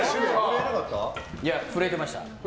震えてました。